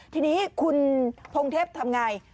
ทีนี้คุณพงเทพทำอย่างไร